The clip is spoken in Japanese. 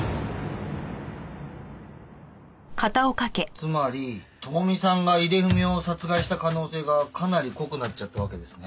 つまり朋美さんが井出文雄を殺害した可能性がかなり濃くなっちゃったわけですね。